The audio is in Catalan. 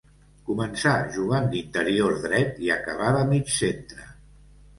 Començà jugant d'interior dret i acabà de mig centre.